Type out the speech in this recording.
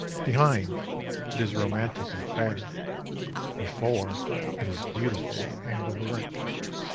Behind, it is romantic and fair; before, it is beautiful and alluring.